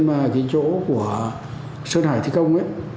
và cái chỗ của sơn hải thi công